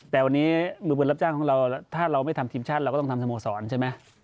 แต่วันนี้มือปืนรับจ้างของเราถ้าเราไม่ทำทีมชาติเราก็ต้องทำสโมสรใช่ไหม